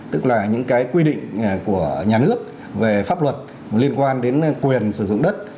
tức là những cái quy định của nhà nước về pháp luật liên quan đến quyền sử dụng đất